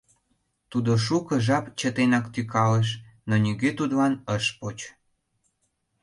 Тудо шуко жап чытенак тӱкалыш, но нигӧ Тудлан ыш поч.